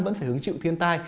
vẫn phải hứng chịu thiên tai